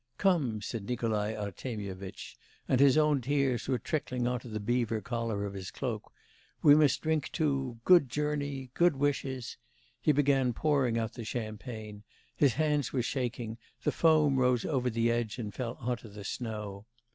'Come!' said Nikolai Artemyevitch and his own tears were trickling on to the beaver collar of his cloak 'we must drink to good journey good wishes ' He began pouring out the champagne: his hands were shaking, the foam rose over the edge and fell on to the snow.